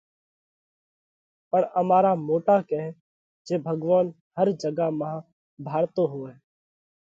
پڻ امارا موٽا ڪئه جي ڀڳوونَ هر جڳا مانه ڀاۯتو هووئه